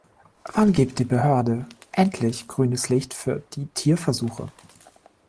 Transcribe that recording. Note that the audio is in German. Wann gibt die Behörde endlich grünes Licht für die Tierversuche?